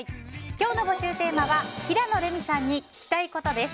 今日の募集テーマは平野レミさんに聞きたいことです。